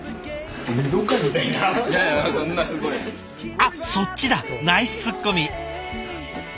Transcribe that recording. あっそっちだナイスツッコミ！